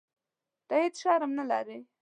ته هیح شرم نه لرې.